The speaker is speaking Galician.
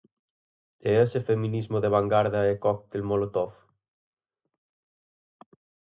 E ese feminismo de vangarda e cóctel molotov?